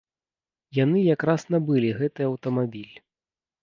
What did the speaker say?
Яны якраз набылі гэты аўтамабіль.